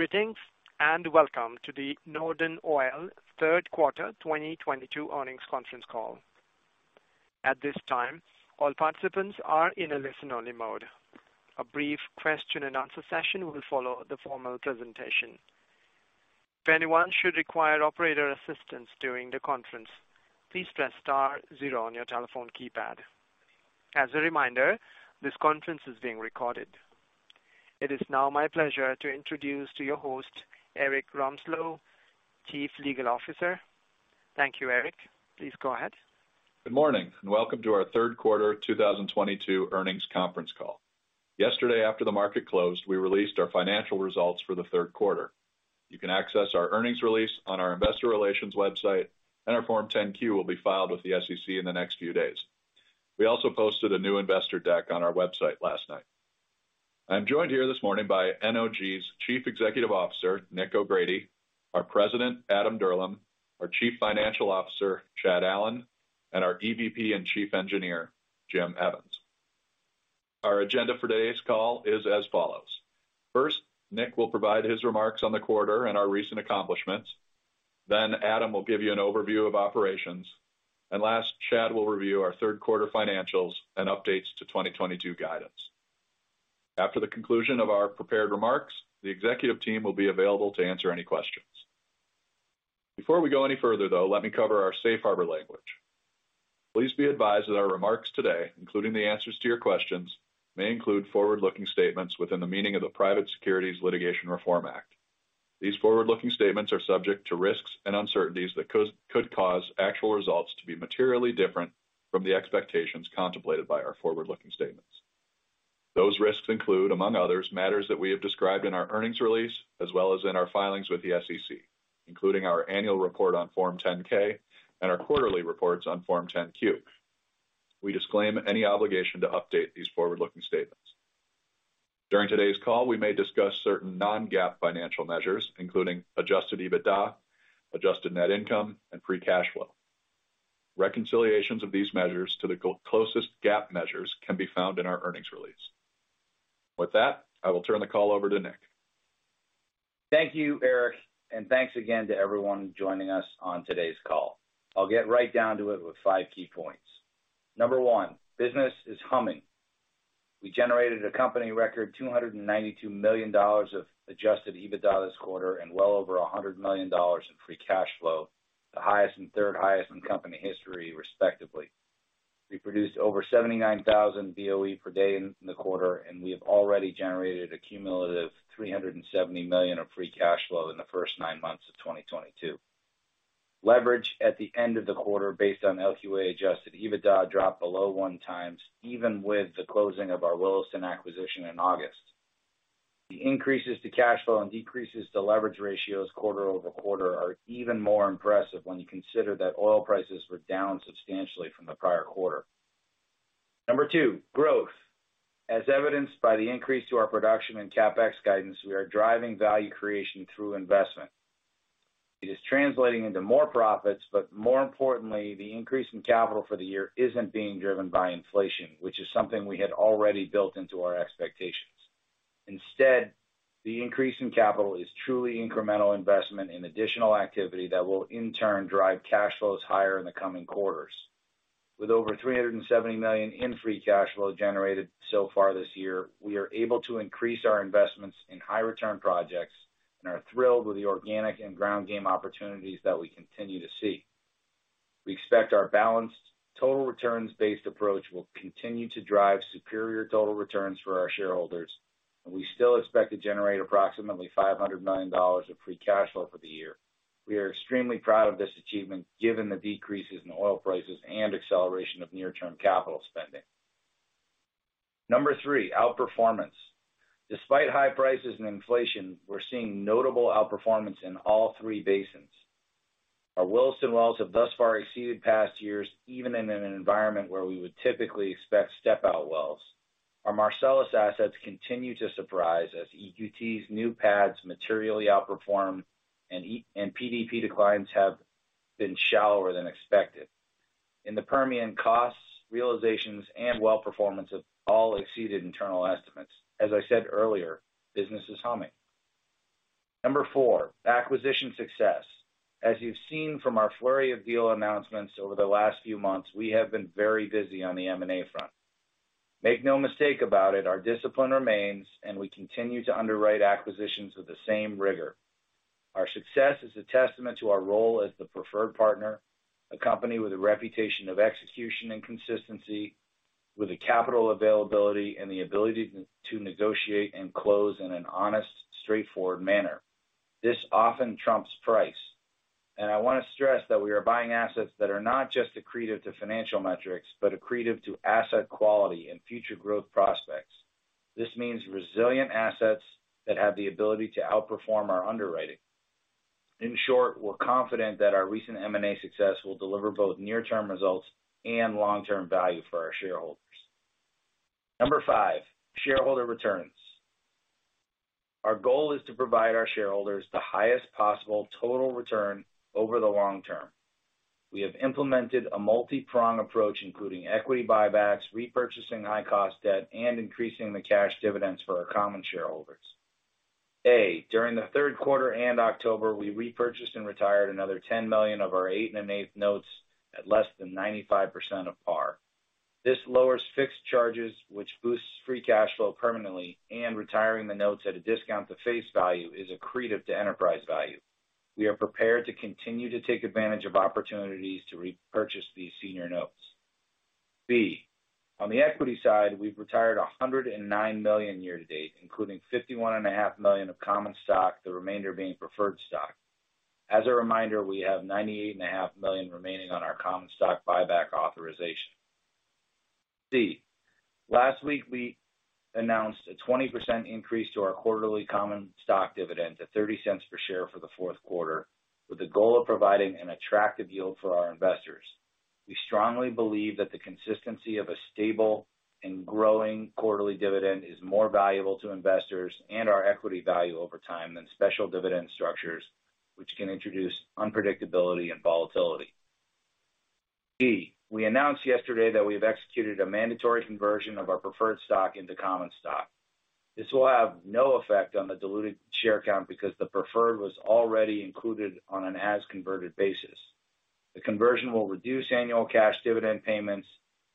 Greetings, and welcome to the Northern Oil third quarter 2022 earnings conference call. At this time, all participants are in a listen-only mode. A brief question-and-answer session will follow the formal presentation. If anyone should require operator assistance during the conference, please press star zero on your telephone keypad. As a reminder, this conference is being recorded. It is now my pleasure to introduce to you Host, Erik Romslo, Chief Legal Officer. Thank you, Erik. Please go ahead. Good morning, and welcome to our third quarter 2022 earnings conference call. Yesterday, after the market closed, we released our financial results for the third quarter. You can access our earnings release on our investor relations website, and our Form 10-Q will be filed with the SEC in the next few days. We also posted a new investor deck on our website last night. I'm joined here this morning by NOG's Chief Executive Officer, Nick O'Grady, our President, Adam Dirlam, our Chief Financial Officer, Chad Allen, and our EVP and Chief Engineer, Jim Evans. Our agenda for today's call is as follows. First, Nick will provide his remarks on the quarter and our recent accomplishments. Then Adam will give you an overview of operations. Last, Chad will review our third quarter financials and updates to 2022 guidance. After the conclusion of our prepared remarks, the executive team will be available to answer any questions. Before we go any further, though, let me cover our safe harbor language. Please be advised that our remarks today, including the answers to your questions, may include forward-looking statements within the meaning of the Private Securities Litigation Reform Act. These forward-looking statements are subject to risks and uncertainties that could cause actual results to be materially different from the expectations contemplated by our forward-looking statements. Those risks include, among others, matters that we have described in our earnings release, as well as in our filings with the SEC, including our annual report on Form 10-K and our quarterly reports on Form 10-Q. We disclaim any obligation to update these forward-looking statements. During today's call, we may discuss certain non-GAAP financial measures, including adjusted EBITDA, adjusted net income, and free cash flow. Reconciliations of these measures to the closest GAAP measures can be found in our earnings release. With that, I will turn the call over to Nick. Thank you, Erik, and thanks again to everyone joining us on today's call. I'll get right down to it with five key points. Number one, business is humming. We generated a company record $292 million of adjusted EBITDA this quarter and well over $100 million in free cash flow, the highest and third highest in company history, respectively. We produced over 79,000 BOE per day in the quarter, and we have already generated a cumulative $370 million of free cash flow in the first nine months of 2022. Leverage at the end of the quarter based on LQA adjusted EBITDA dropped below 1x even with the closing of our Williston acquisition in August. The increases to cash flow and decreases to leverage ratios quarter-over-quarter are even more impressive when you consider that oil prices were down substantially from the prior quarter. Number two, growth. As evidenced by the increase to our production in CapEx guidance, we are driving value creation through investment. It is translating into more profits, but more importantly, the increase in capital for the year isn't being driven by inflation, which is something we had already built into our expectations. Instead, the increase in capital is truly incremental investment in additional activity that will in turn drive cash flows higher in the coming quarters. With over $370 million in free cash flow generated so far this year, we are able to increase our investments in high return projects and are thrilled with the organic and ground game opportunities that we continue to see. We expect our balanced total returns-based approach will continue to drive superior total returns for our shareholders, and we still expect to generate approximately $500 million of free cash flow for the year. We are extremely proud of this achievement given the decreases in oil prices and acceleration of near-term capital spending. Number three, outperformance. Despite high prices and inflation, we're seeing notable outperformance in all three basins. Our Williston wells have thus far exceeded past years, even in an environment where we would typically expect step out wells. Our Marcellus assets continue to surprise as EQT's new pads materially outperform and PDP declines have been shallower than expected. In the Permian, costs, realizations, and well performance have all exceeded internal estimates. As I said earlier, business is humming. Number four, acquisition success. As you've seen from our flurry of deal announcements over the last few months, we have been very busy on the M&A front. Make no mistake about it, our discipline remains, and we continue to underwrite acquisitions with the same rigor. Our success is a testament to our role as the preferred partner, a company with a reputation of execution and consistency, with the capital availability and the ability to negotiate and close in an honest, straightforward manner. This often trumps price. I wanna stress that we are buying assets that are not just accretive to financial metrics, but accretive to asset quality and future growth prospects. This means resilient assets that have the ability to outperform our underwriting. In short, we're confident that our recent M&A success will deliver both near-term results and long-term value for our shareholders. Number five, shareholder returns. Our goal is to provide our shareholders the highest possible total return over the long term. We have implemented a multipronged approach, including equity buybacks, repurchasing high-cost debt, and increasing the cash dividends for our common shareholders. A, during the third quarter and October, we repurchased and retired another $10 million of our 8 1/8 notes at less than 95% of par. This lowers fixed charges, which boosts free cash flow permanently and retiring the notes at a discount to face value is accretive to enterprise value. We are prepared to continue to take advantage of opportunities to repurchase these senior notes. B, on the equity side, we've retired $109 million year to date, including $51.5 million of common stock, the remainder being preferred stock. As a reminder, we have $98.5 million remaining on our common stock buyback authorization. Last week, we announced a 20% increase to our quarterly common stock dividend to $0.30 per share for the fourth quarter, with the goal of providing an attractive yield for our investors. We strongly believe that the consistency of a stable and growing quarterly dividend is more valuable to investors and our equity value over time than special dividend structures, which can introduce unpredictability and volatility. We announced yesterday that we have executed a mandatory conversion of our preferred stock into common stock. This will have no effect on the diluted share count because the preferred was already included on an as converted basis. The conversion will reduce annual cash dividend payments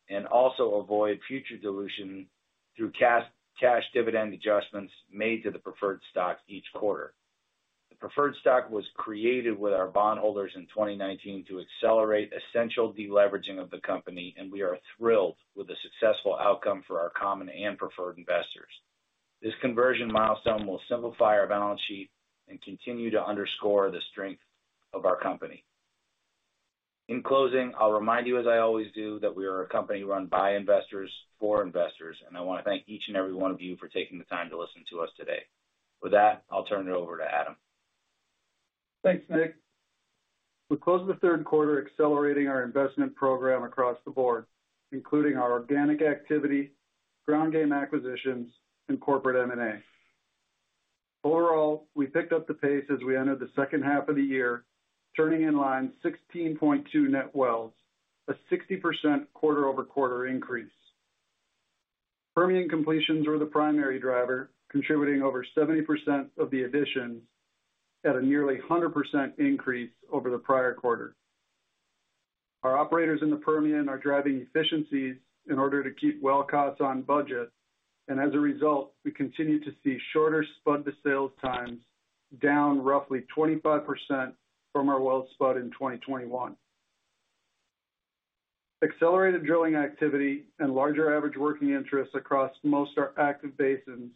and also avoid future dilution through cash dividend adjustments made to the preferred stock each quarter. The preferred stock was created with our bondholders in 2019 to accelerate essential deleveraging of the company, and we are thrilled with the successful outcome for our common and preferred investors. This conversion milestone will simplify our balance sheet and continue to underscore the strength of our company. In closing, I'll remind you, as I always do, that we are a company run by investors for investors, and I wanna thank each and every one of you for taking the time to listen to us today. With that, I'll turn it over to Adam. Thanks, Nick. We closed the third quarter accelerating our investment program across the board, including our organic activity, ground game acquisitions, and corporate M&A. Overall, we picked up the pace as we entered the second half of the year, turning in line 16.2 net wells, a 60% quarter-over-quarter increase. Permian completions were the primary driver, contributing over 70% of the additions at nearly a 100% increase over the prior quarter. Our operators in the Permian are driving efficiencies in order to keep well costs on budget. As a result, we continue to see shorter spud-to-sales times, down roughly 25% from our well spud in 2021. Accelerated drilling activity and larger average working interests across most of our active basins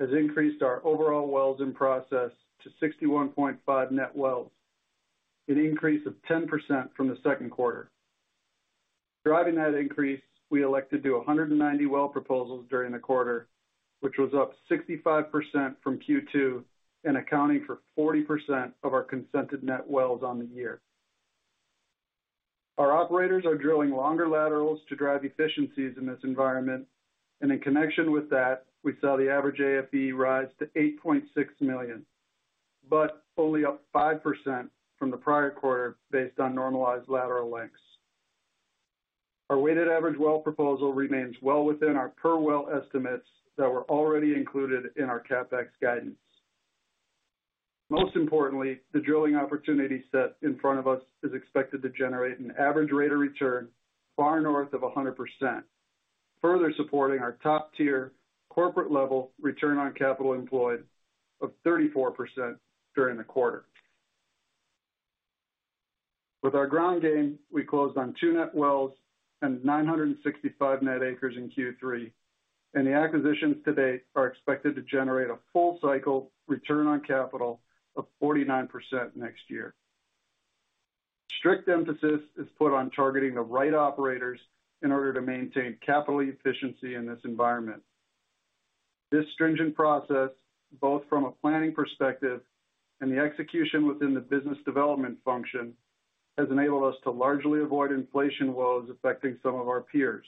has increased our overall wells in process to 61.5 net wells, an increase of 10% from the second quarter. Driving that increase, we elected to 190 well proposals during the quarter, which was up 65% from Q2 and accounting for 40% of our consented net wells on the year. Our operators are drilling longer laterals to drive efficiencies in this environment. In connection with that, we saw the average AFE rise to $8.6 million, but only up 5% from the prior quarter based on normalized lateral lengths. Our weighted average well proposal remains well within our per well estimates that were already included in our CapEx guidance. Most importantly, the drilling opportunity set in front of us is expected to generate an average rate of return far north of 100%, further supporting our top-tier corporate level return on capital employed of 34% during the quarter. With our ground game, we closed on two net wells and 965 net acres in Q3, and the acquisitions to date are expected to generate a full cycle return on capital of 49% next year. Strict emphasis is put on targeting the right operators in order to maintain capital efficiency in this environment. This stringent process, both from a planning perspective and the execution within the business development function, has enabled us to largely avoid inflation woes affecting some of our peers,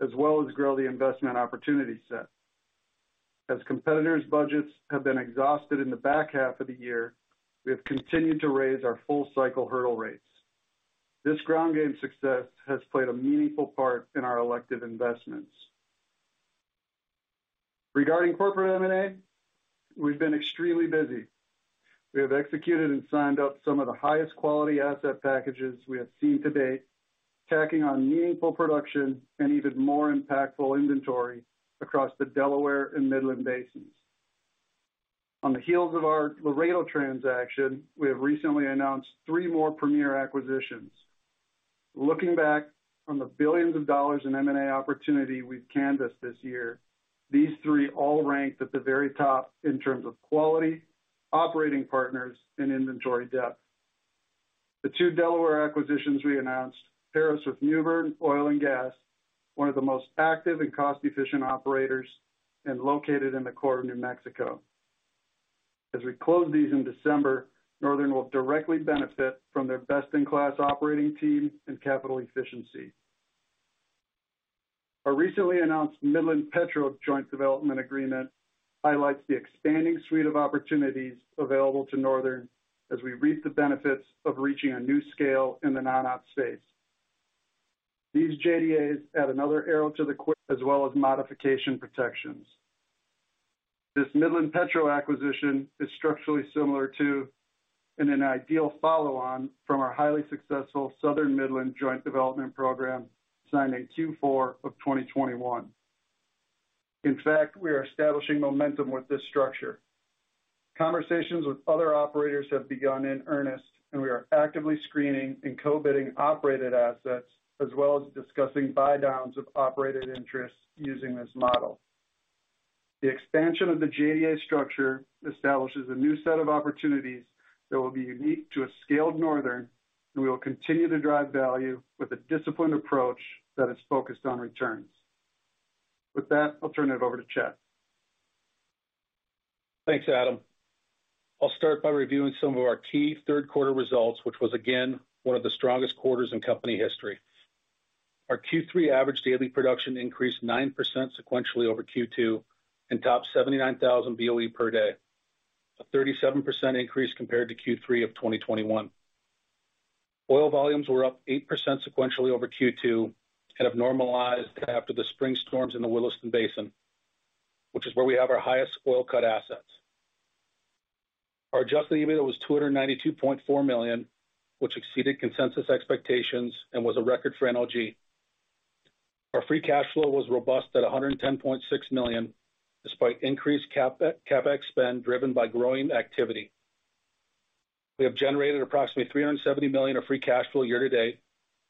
as well as grow the investment opportunity set. As competitors' budgets have been exhausted in the back half of the year, we have continued to raise our full cycle hurdle rates. This ground game success has played a meaningful part in our elective investments. Regarding corporate M&A, we've been extremely busy. We have executed and signed up some of the highest quality asset packages we have seen to date, tacking on meaningful production and even more impactful inventory across the Delaware and Midland basins. On the heels of our Laredo transaction, we have recently announced three more premier acquisitions. Looking back from the billion of dollars in M&A opportunity we've canvassed this year, these three all ranked at the very top in terms of quality, operating partners, and inventory depth. The two Delaware acquisitions we announced, pairs with Novo Oil & Gas, one of the most active and cost-efficient operators, and located in the core of New Mexico. As we close these in December, Northern will directly benefit from their best-in-class operating team and capital efficiency. Our recently announced Midland-Petro Joint Development Agreement highlights the expanding suite of opportunities available to Northern as we reap the benefits of reaching a new scale in the non-op space. These JDAs add another arrow to the quiver, as well as modification protections. This Midland-Petro acquisition is structurally similar to, and an ideal follow-on from our highly successful Southern Midland Joint Development Program signed in Q4 of 2021. In fact, we are establishing momentum with this structure. Conversations with other operators have begun in earnest, and we are actively screening and co-bidding operated assets, as well as discussing buydowns of operated interests using this model. The expansion of the JDA structure establishes a new set of opportunities that will be unique to a scaled Northern, and we will continue to drive value with a disciplined approach that is focused on returns. With that, I'll turn it over to Chad. Thanks, Adam. I'll start by reviewing some of our key third quarter results, which was again one of the strongest quarters in company history. Our Q3 average daily production increased 9% sequentially over Q2 to 79,000 BOE per day. A 37% increase compared to Q3 of 2021. Oil volumes were up 8% sequentially over Q2 and have normalized after the spring storms in the Williston Basin, which is where we have our highest oil cut assets. Our adjusted EBITDA was $292.4 million, which exceeded consensus expectations and was a record for NOG. Our free cash flow was robust at $110.6 million, despite increased CapEx spend driven by growing activity. We have generated approximately $370 million of free cash flow year to date,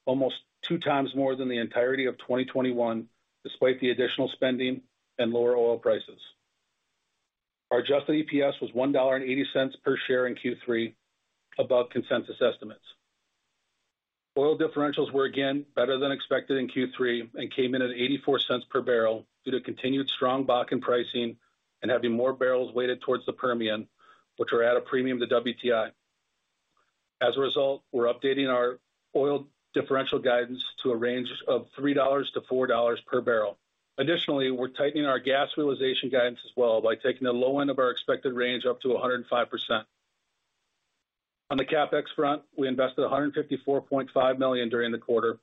almost 2x more than the entirety of 2021, despite the additional spending and lower oil prices. Our adjusted EPS was $1.80 per share in Q3, above consensus estimates. Oil differentials were again better than expected in Q3, and came in at $0.84 per barrel due to continued strong Bakken pricing and having more barrels weighted towards the Permian, which are at a premium to WTI. As a result, we're updating our oil differential guidance to a range of $3-$4 per barrel. Additionally, we're tightening our gas realization guidance as well by taking the low end of our expected range up to 105%. On the CapEx front, we invested $154.5 million during the quarter,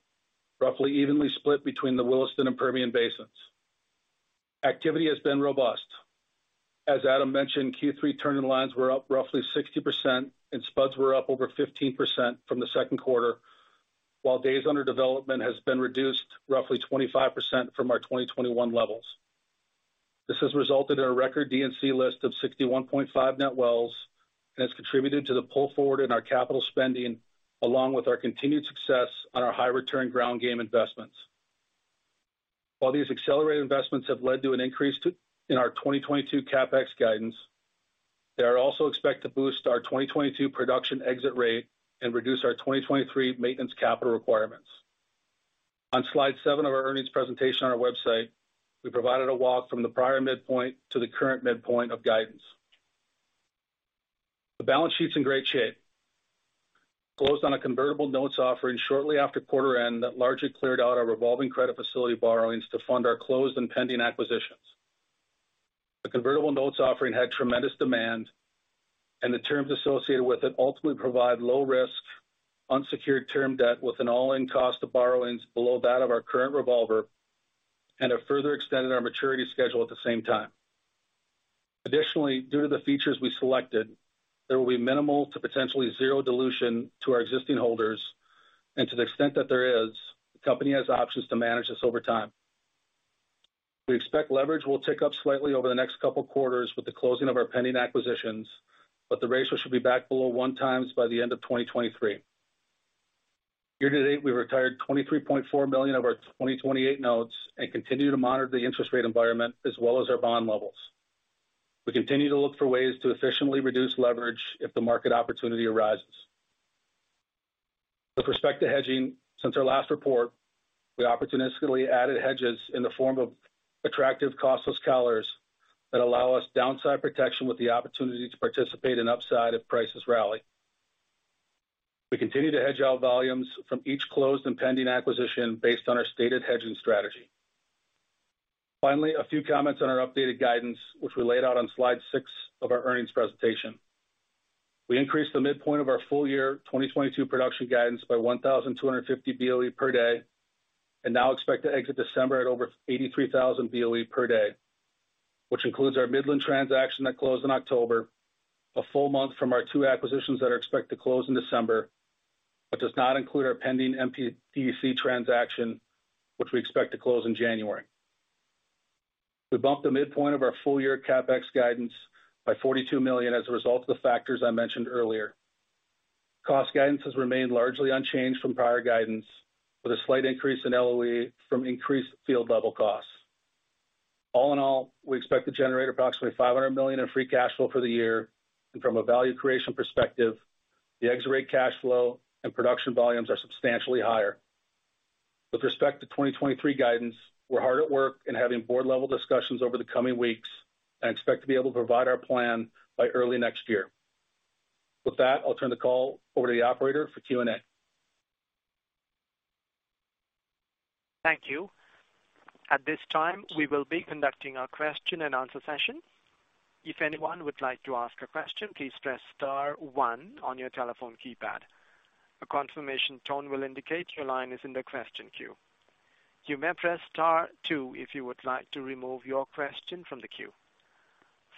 roughly evenly split between the Williston and Permian basins. Activity has been robust. As Adam mentioned, Q3 turning lines were up roughly 60%, and spuds were up over 15% from the second quarter, while days under development has been reduced roughly 25% from our 2021 levels. This has resulted in a record DNC list of 61.5 net wells, and has contributed to the pull forward in our capital spending, along with our continued success on our high return ground game investments. While these accelerated investments have led to an increase in our 2022 CapEx guidance, they are also expected to boost our 2022 production exit rate and reduce our 2023 maintenance capital requirements. On slide seven of our earnings presentation on our website, we provided a walk from the prior midpoint to the current midpoint of guidance. The balance sheet's in great shape. Closed on a convertible notes offering shortly after quarter end that largely cleared out our revolving credit facility borrowings to fund our closed and pending acquisitions. The convertible notes offering had tremendous demand, and the terms associated with it ultimately provide low risk, unsecured term debt with an all-in cost of borrowings below that of our current revolver, and have further extended our maturity schedule at the same time. Additionally, due to the features we selected, there will be minimal to potentially zero dilution to our existing holders. To the extent that there is, the company has options to manage this over time. We expect leverage will tick up slightly over the next couple quarters with the closing of our pending acquisitions, but the ratio should be back below 1x by the end of 2023. Year to date, we retired $23.4 million of our 2028 notes and continue to monitor the interest rate environment as well as our bond levels. We continue to look for ways to efficiently reduce leverage if the market opportunity arises. With respect to hedging, since our last report, we opportunistically added hedges in the form of attractive costless collars that allow us downside protection with the opportunity to participate in upside if prices rally. We continue to hedge our volumes from each closed and pending acquisition based on our stated hedging strategy. Finally, a few comments on our updated guidance, which we laid out on slide six of our earnings presentation. We increased the midpoint of our full year 2022 production guidance by 1,250 BOE per day, and now expect to exit December at over 83,000 BOE per day, which includes our Midland transaction that closed in October, a full month from our two acquisitions that are expected to close in December, but does not include our pending MPDC transaction, which we expect to close in January. We bumped the midpoint of our full year CapEx guidance by $42 million as a result of the factors I mentioned earlier. Cost guidance has remained largely unchanged from prior guidance, with a slight increase in LOE from increased field level costs. All in all, we expect to generate approximately $500 million in free cash flow for the year, and from a value creation perspective, the exit rate cash flow and production volumes are substantially higher. With respect to 2023 guidance, we're hard at work in having board level discussions over the coming weeks and expect to be able to provide our plan by early next year. With that, I'll turn the call over to the operator for Q&A. Thank you. At this time, we will be conducting our question-and-answer session. If anyone would like to ask a question, please press star one on your telephone keypad. A confirmation tone will indicate your line is in the question queue. You may press star two if you would like to remove your question from the queue.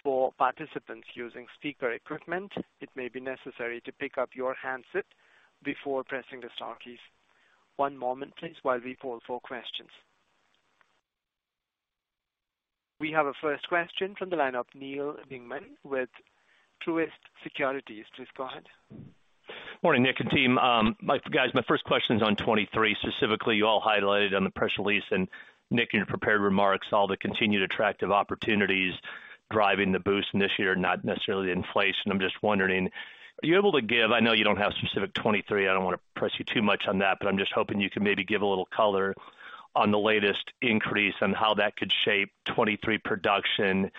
For participants using speaker equipment, it may be necessary to pick up your handset before pressing the star keys. One moment, please, while we call for questions. We have a first question from the line of Neal Dingmann with Truist Securities. Please go ahead. Morning, Nick and team. My first question is on 2023. Specifically, you all highlighted on the press release and Nick, in your prepared remarks, all the continued attractive opportunities driving the boost this year, not necessarily inflation. I'm just wondering, are you able to give. I know you don't have specific 2023, I don't wanna press you too much on that, but I'm just hoping you can maybe give a little color on the latest increase on how that could shape 2023 production,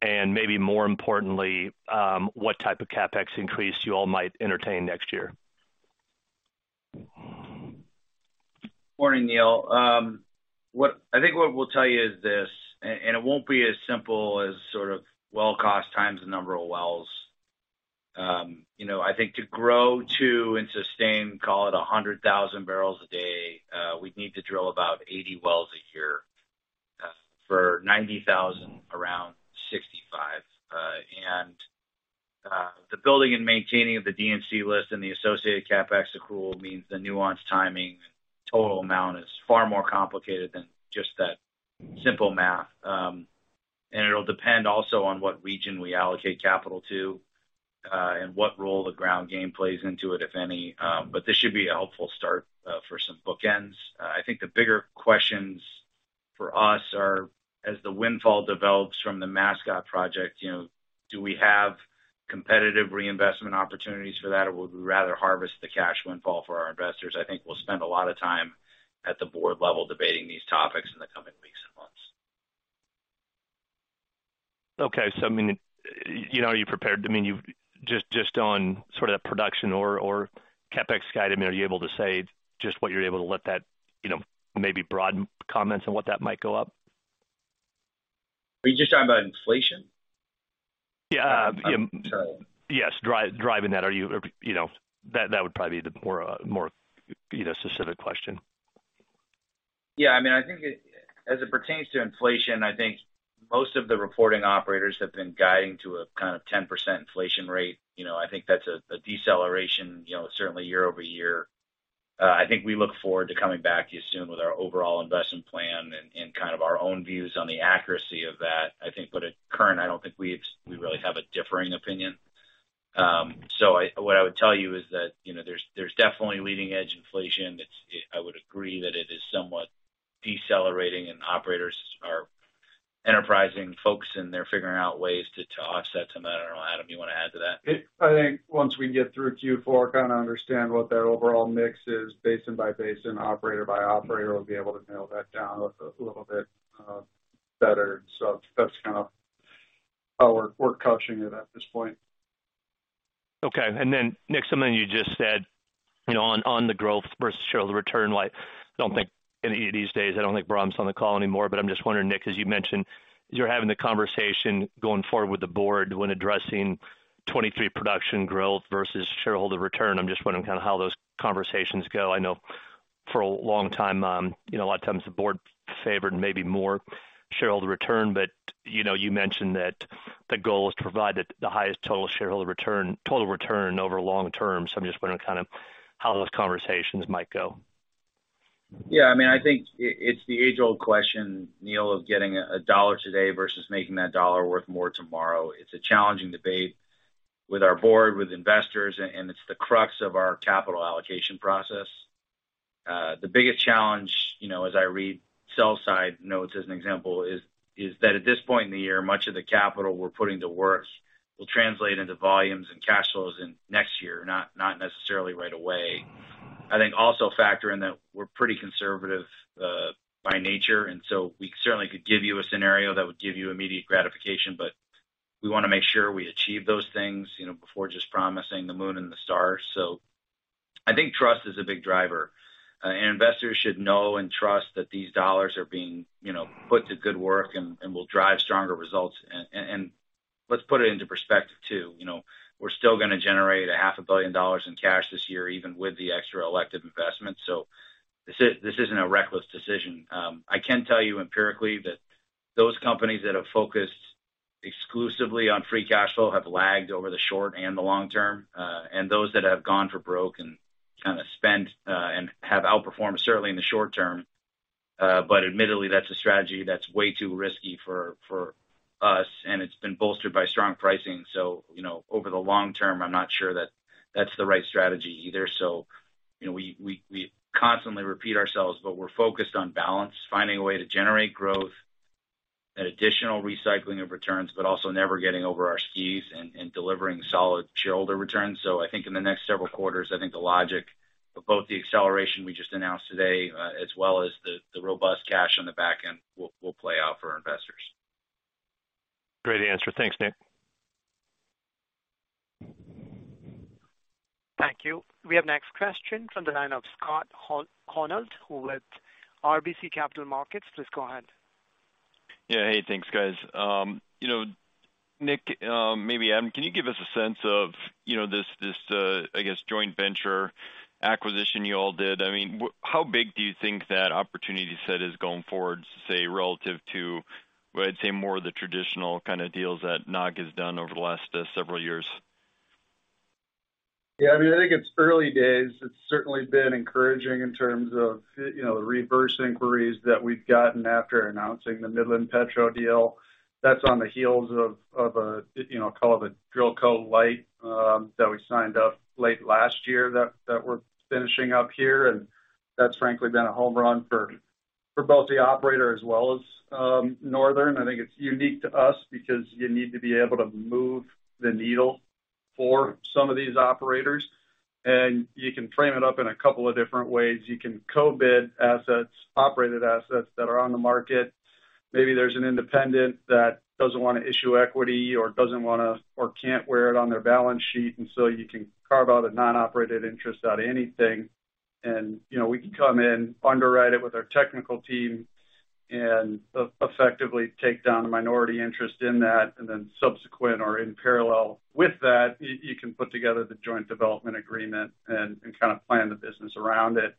and maybe more importantly, what type of CapEx increase you all might entertain next year. Morning, Neal. I think what we'll tell you is this, and it won't be as simple as sort of well cost times the number of wells. You know, I think to grow to and sustain, call it 100,000 barrels a day, we'd need to drill about 80 wells a year. For 90,000, around 65. The building and maintaining of the DNC list and the associated CapEx accrual means the nuanced timing and total amount is far more complicated than just that simple math. It'll depend also on what region we allocate capital to, and what role the ground game plays into it, if any. This should be a helpful start for some bookends. I think the bigger questions for us are, as the windfall develops from the Mascot project, you know, do we have competitive reinvestment opportunities for that, or would we rather harvest the cash windfall for our investors? I think we'll spend a lot of time at the board level debating these topics in the coming weeks and months. Okay. I mean, you know, just on sort of that production or CapEx guide, I mean, are you able to say just what you're able to let that, you know, maybe broad comments on what that might go up? Are you just talking about inflation? Yeah. Sorry. Yes. Driving that. Are you know, that would probably be the more, you know, specific question. Yeah. I mean, I think it, as it pertains to inflation, I think most of the reporting operators have been guiding to a kind of 10% inflation rate. You know, I think that's a deceleration, you know, certainly year-over-year. I think we look forward to coming back to you soon with our overall investment plan and kind of our own views on the accuracy of that. I think current, I don't think we've we really have a differing opinion. So what I would tell you is that, you know, there's definitely leading edge inflation. I would agree that it is somewhat decelerating and operators are enterprising folks, and they're figuring out ways to offset some. I don't know, Adam, you wanna add to that? I think once we get through Q4, kinda understand what their overall mix is basin by basin, operator by operator, we'll be able to nail that down a little bit better. That's kind of how we're couching it at this point. Okay. Nick, something you just said, you know, on the growth versus shareholder return. I don't think these days Brahm's on the call anymore, but I'm just wondering, Nick, as you mentioned, you're having the conversation going forward with the board when addressing 2023 production growth versus shareholder return. I'm just wondering kinda how those conversations go. I know for a long time, you know, a lot of times the board favored maybe more shareholder return, but, you know, you mentioned that the goal is to provide the highest total shareholder return, total return over long term. I'm just wondering kind of how those conversations might go. Yeah. I mean, I think it's the age-old question, Neal, of getting a dollar today versus making that dollar worth more tomorrow. It's a challenging debate with our board, with investors, and it's the crux of our capital allocation process. The biggest challenge, you know, as I read sell-side notes as an example, is that at this point in the year, much of the capital we're putting to work will translate into volumes and cash flows in next year, not necessarily right away. I think also factor in that we're pretty conservative, by nature, and so we certainly could give you a scenario that would give you immediate gratification, but we wanna make sure we achieve those things, you know, before just promising the moon and the stars. I think trust is a big driver. Investors should know and trust that these dollars are being, you know, put to good work and let's put it into perspective, too. You know, we're still gonna generate a half a billion dollars in cash this year, even with the extra elective investments. This isn't a reckless decision. I can tell you empirically that those companies that have focused exclusively on free cash flow have lagged over the short and the long term. Those that have gone for broke and kinda spent and have outperformed certainly in the short term. Admittedly, that's a strategy that's way too risky for us, and it's been bolstered by strong pricing. You know, over the long term, I'm not sure that that's the right strategy either. You know, we constantly repeat ourselves, but we're focused on balance, finding a way to generate growth and additional recycling of returns, but also never getting over our skis and delivering solid shareholder returns. I think in the next several quarters, the logic of both the acceleration we just announced today, as well as the robust cash on the back end will play out for our investors. Great answer. Thanks, Nick. Thank you. We have next question from the line of Scott Hanold with RBC Capital Markets. Please go ahead. Yeah. Hey, thanks, guys. You know, Nick, maybe Adam, can you give us a sense of, you know, this, I guess, joint venture acquisition you all did? I mean, how big do you think that opportunity set is going forward, say, relative to, well, I'd say more of the traditional kinda deals that NOG has done over the last, several years? Yeah. I mean, I think it's early days. It's certainly been encouraging in terms of, you know, the reverse inquiries that we've gotten after announcing the Midland-Petro deal. That's on the heels of, you know, call it the Drillco LITE, that we signed up late last year that we're finishing up here, and that's frankly been a home run for both the operator as well as Northern. I think it's unique to us because you need to be able to move the needle for some of these operators. You can frame it up in a couple of different ways. You can co-bid assets, operated assets that are on the market. Maybe there's an independent that doesn't wanna issue equity or doesn't wanna or can't wear it on their balance sheet, and so you can carve out a non-operated interest out of anything. You know, we can come in, underwrite it with our technical team, and effectively take down a minority interest in that, and then subsequent or in parallel with that, you can put together the joint development agreement and kinda plan the business around it.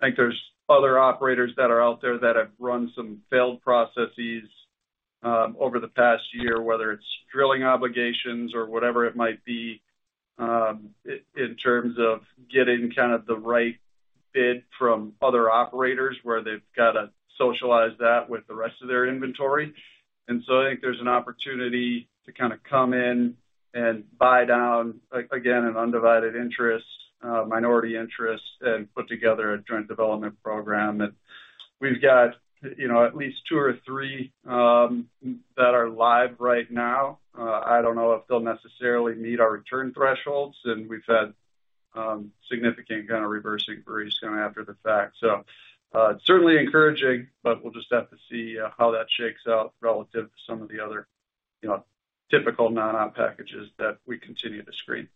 I think there's other operators that are out there that have run some failed processes over the past year, whether it's drilling obligations or whatever it might be, in terms of getting kind of the right bid from other operators where they've got to socialize that with the rest of their inventory. I think there's an opportunity to kinda come in and buy down, again, an undivided interest, minority interest and put together a joint development program. We've got, you know, at least two or three that are live right now. I don't know if they'll necessarily meet our return thresholds, and we've had significant kinda reverse inquiries kinda after the fact. It's certainly encouraging, but we'll just have to see how that shakes out relative to some of the other, you know, typical non-op packages that we continue to screen.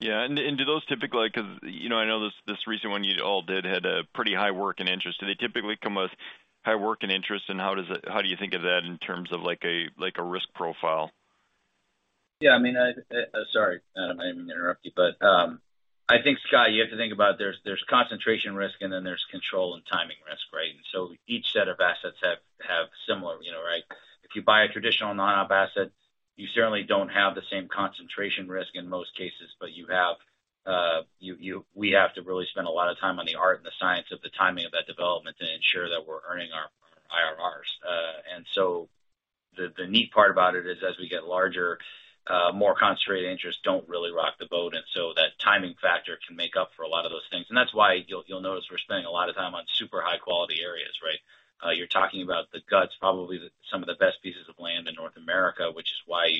Yeah. 'Cause, you know, I know this recent one you all did had a pretty high working interest. Do they typically come with high working interest, and how do you think of that in terms of like a risk profile? Yeah, I mean, sorry, Adam, I didn't mean to interrupt you, but I think, Scott, you have to think about there's concentration risk, and then there's control and timing risk, right? Each set of assets have similar, you know, right? If you buy a traditional non-op asset, you certainly don't have the same concentration risk in most cases, but we have to really spend a lot of time on the art and the science of the timing of that development to ensure that we're earning our IRRs. The neat part about it is as we get larger, more concentrated interests don't really rock the boat, and so that timing factor can make up for a lot of those things. That's why you'll notice we're spending a lot of time on super high quality areas, right? You're talking about the guts, probably some of the best pieces of land in North America, which is why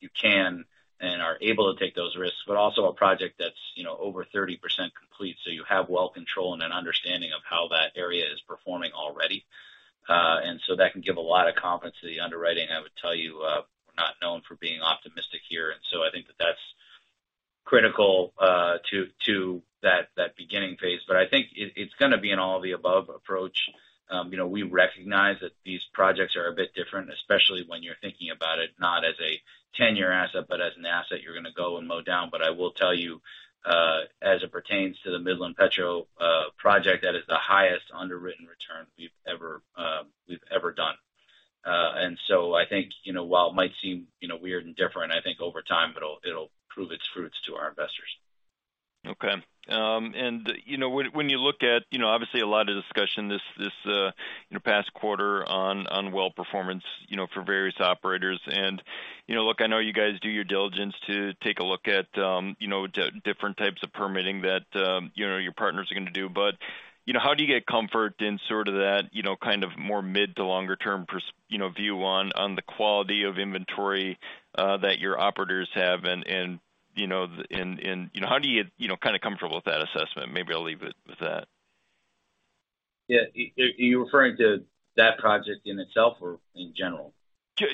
you can and are able to take those risks, but also a project that's, you know, over 30% complete, so you have well control and an understanding of how that area is performing already. That can give a lot of confidence to the underwriting. I would tell you, we're not known for being optimistic here, and so I think that that's critical to that beginning phase. I think it's gonna be an all of the above approach. You know, we recognize that these projects are a bit different, especially when you're thinking about it not as a 10-year asset, but as an asset you're gonna go and mow down. I will tell you, as it pertains to the Midland-Petro project, that is the highest underwritten return we've ever done. I think, you know, while it might seem, you know, weird and different, I think over time it'll prove its fruits to our investors. When you look at, you know, obviously a lot of discussion this past quarter on well performance, you know, for various operators. You know, look, I know you guys do your diligence to take a look at, you know, different types of permitting that, you know, your partners are gonna do. You know, how do you get comfort in sort of that, you know, kind of more mid to longer term perspective, you know, view on the quality of inventory that your operators have? You know, how do you get, you know, kinda comfortable with that assessment? Maybe I'll leave it with that. Yeah. You referring to that project in itself or in general?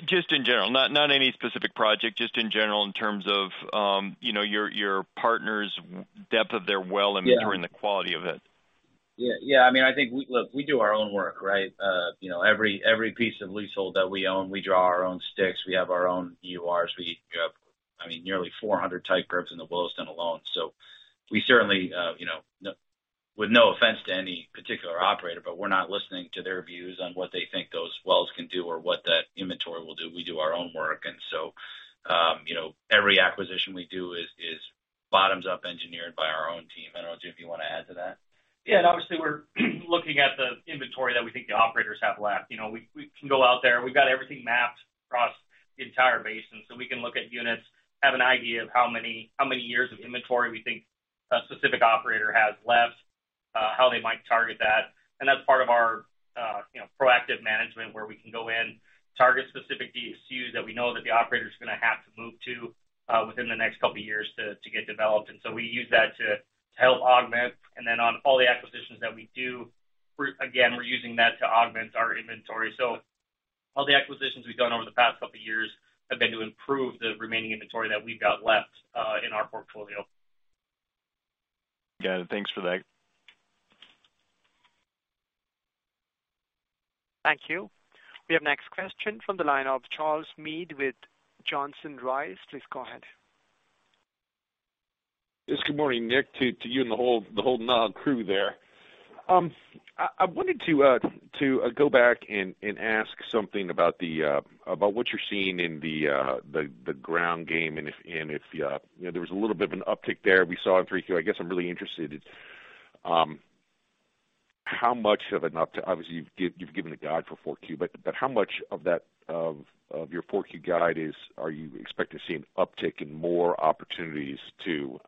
Just in general. Not any specific project, just in general in terms of, you know, your partner's depth of their well inventory. Yeah. The quality of it. Yeah. Yeah. I mean, I think, look, we do our own work, right? You know, every piece of leasehold that we own, we draw our own sticks. We have our own EURs. We have, I mean, nearly 400 type curves in the Williston alone. We certainly, you know, with no offense to any particular operator, but we're not listening to their views on what they think those wells can do or what that inventory will do. We do our own work. You know, every acquisition we do is bottoms up engineered by our own team. I don't know, Jim, if you wanna add to that. Yeah, obviously, we're looking at the inventory that we think the operators have left. You know, we can go out there. We've got everything mapped across the entire basin, so we can look at units, have an idea of how many years of inventory we think a specific operator has left, how they might target that. That's part of our, you know, proactive management, where we can go in, target specific DSUs that we know that the operator's gonna have to move to, within the next couple of years to get developed. We use that to help augment. Then on all the acquisitions that we do Again, we're using that to augment our inventory. All the acquisitions we've done over the past couple of years have been to improve the remaining inventory that we've got left in our portfolio. Got it. Thanks for that. Thank you. We have next question from the line of Charles Meade with Johnson Rice. Please go ahead. Yes, good morning, Nick, to you and the whole crew there. I wanted to go back and ask something about what you're seeing in the ground game, and if you know, there was a little bit of an uptick there we saw in 3Q. I guess I'm really interested how much of an uptick. Obviously, you've given a guide for 4Q, but how much of that of your 4Q guide are you expecting to see an uptick in more opportunities to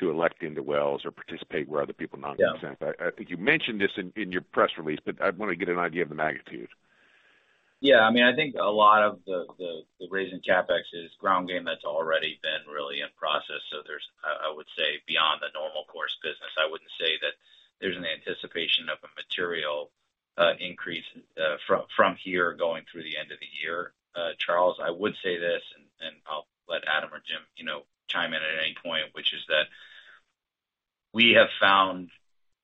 elect into wells or participate where other people are not present? Yeah. I think you mentioned this in your press release, but I wanna get an idea of the magnitude. Yeah. I mean, I think a lot of the raise in CapEx is ground game that's already been really in process. There's I would say, beyond the normal course of business. I wouldn't say that there's an anticipation of a material increase from here going through the end of the year. Charles, I would say this, and I'll let Adam or Jim, you know, chime in at any point, which is that we have found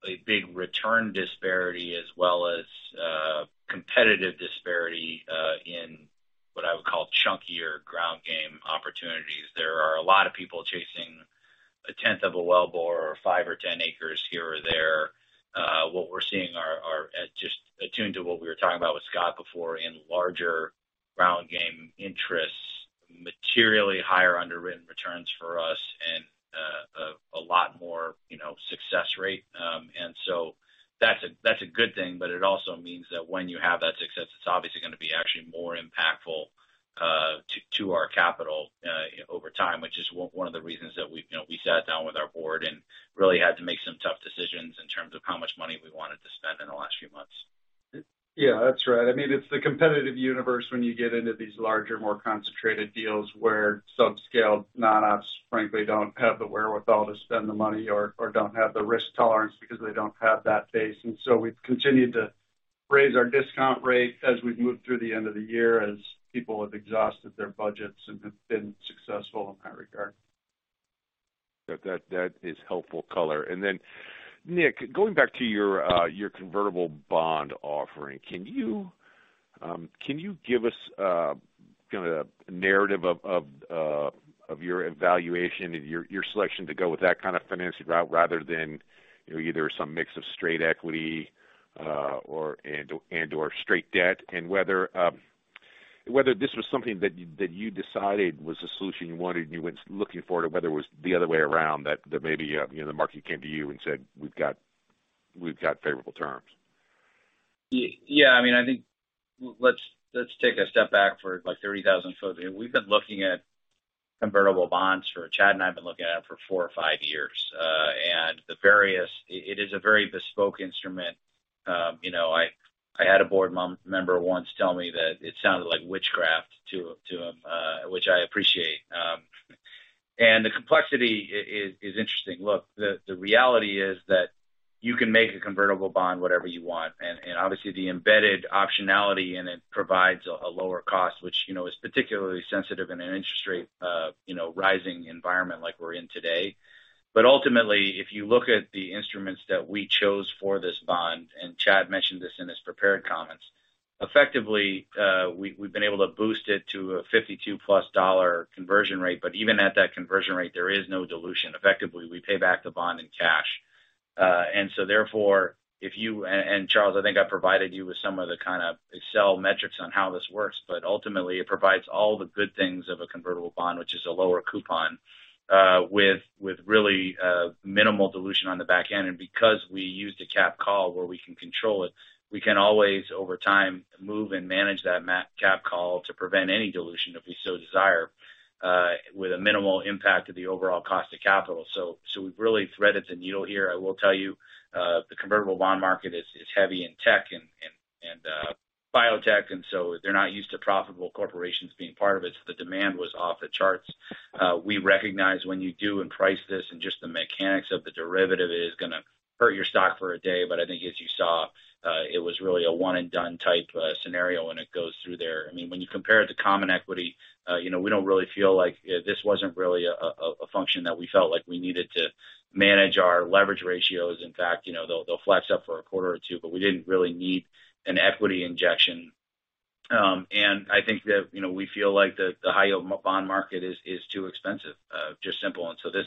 a big return disparity as well as competitive disparity in what I would call chunkier ground game opportunities. There are a lot of people chasing a tenth of a wellbore or five or 10 acres here or there. What we're seeing are just attuned to what we were talking about with Scott before in larger ground game interests, materially higher underwritten returns for us and a lot more, you know, success rate. That's a good thing, but it also means that when you have that success, it's obviously gonna be actually more impactful to our capital over time, which is one of the reasons that we've, you know, sat down with our board and really had to make some tough decisions in terms of how much money we wanted to spend in the last few months. Yeah, that's right. I mean, it's the competitive universe when you get into these larger, more concentrated deals where subscale non-ops frankly don't have the wherewithal to spend the money or don't have the risk tolerance because they don't have that base. We've continued to raise our discount rate as we've moved through the end of the year, as people have exhausted their budgets and have been successful in that regard. That is helpful color. Then, Nick, going back to your convertible bond offering, can you give us kinda a narrative of your evaluation and your selection to go with that kind of financing route rather than you know either some mix of straight equity or and/or straight debt? Whether this was something that you decided was a solution you wanted and you went looking for it, or whether it was the other way around that maybe you know the market came to you and said, "We've got favorable terms. Yeah. I mean, I think let's take a step back for, like, 30,000 ft. Chad and I have been looking at it for four or five years. It is a very bespoke instrument. You know, I had a board member once tell me that it sounded like witchcraft to him, which I appreciate. The complexity is interesting. Look, the reality is that you can make a convertible bond whatever you want, and obviously the embedded optionality in it provides a lower cost, which, you know, is particularly sensitive in an interest rate, you know, rising environment like we're in today. Ultimately, if you look at the instruments that we chose for this bond, and Chad mentioned this in his prepared comments, effectively, we've been able to boost it to a $52+ conversion rate. Even at that conversion rate, there is no dilution. Effectively, we pay back the bond in cash. Therefore, if you and Charles, I think I provided you with some of the kinda Excel metrics on how this works. Ultimately, it provides all the good things of a convertible bond, which is a lower coupon, with really minimal dilution on the back end. Because we used a capped call where we can control it, we can always, over time, move and manage that capped call to prevent any dilution if we so desire, with a minimal impact to the overall cost of capital. We've really threaded the needle here. I will tell you, the convertible bond market is heavy in tech and biotech, and so they're not used to profitable corporations being part of it, so the demand was off the charts. We recognize when you do and price this and just the mechanics of the derivative, it is gonna hurt your stock for a day. I think as you saw, it was really a one and done type scenario, and it goes through there. I mean, when you compare it to common equity, you know, we don't really feel like this wasn't really a function that we felt like we needed to manage our leverage ratios. In fact, you know, they'll flex up for a quarter or two, but we didn't really need an equity injection. I think that, you know, we feel like the high-yield bond market is too expensive, simply. This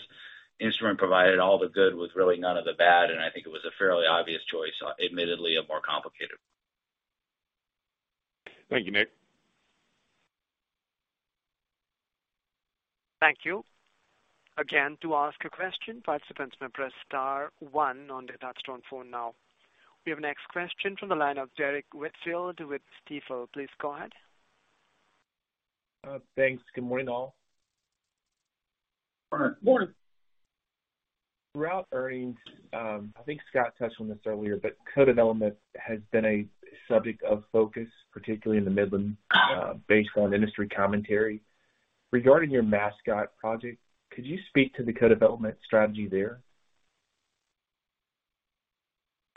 instrument provided all the good with really none of the bad, and I think it was a fairly obvious choice, admittedly a more complicated one. Thank you, Nick. Thank you. Again, to ask a question, participants may press star one on the touchtone phone now. We have next question from the line of Derrick Whitfield with Stifel. Please go ahead. Thanks. Good morning, all. Morning. Throughout earnings, I think Scott touched on this earlier, but co-development has been a subject of focus, particularly in the Midland, based on industry commentary. Regarding your Mascot project, could you speak to the co-development strategy there?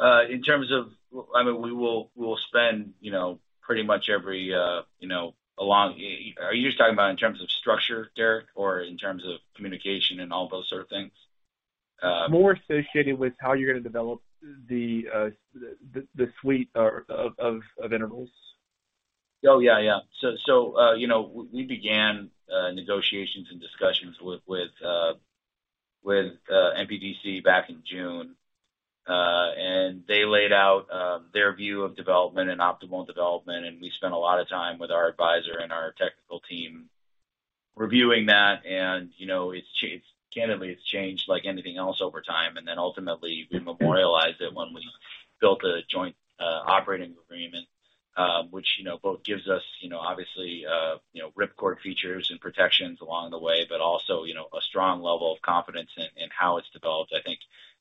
Are you just talking about in terms of structure, Derrick, or in terms of communication and all those sort of things? More associated with how you're gonna develop the suite of intervals. Oh, yeah. You know, we began negotiations and discussions with MPDC back in June. They laid out their view of development and optimal development, and we spent a lot of time with our advisor and our technical team reviewing that. You know, candidly, it's changed like anything else over time. Ultimately, we memorialized it when we built a joint operating agreement, which, you know, both gives us, you know, obviously, you know, ripcord features and protections along the way, but also, you know, a strong level of confidence in how it's developed. I think